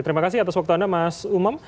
terima kasih atas waktu anda mas umam